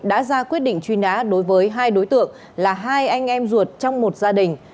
đã ra quyết định truy nã đối với hai đối tượng là hai anh em ruột trong một gia đình